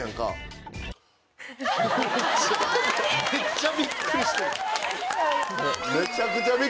めっちゃびっくりしてる。